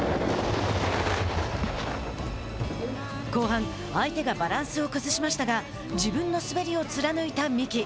後半、相手がバランスを崩しましたが自分の滑りを貫いた三木。